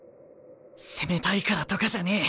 攻めたいからとかじゃねえ。